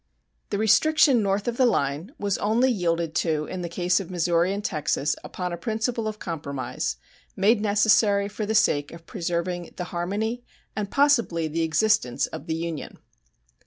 The restriction north of the line was only yielded to in the case of Missouri and Texas upon a principle of compromise, made necessary for the sake of preserving the harmony and possibly the existence of the Union.